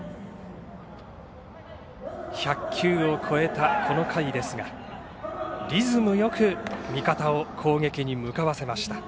１００球を超えたこの回ですがリズムよく見方を攻撃に向かわせました。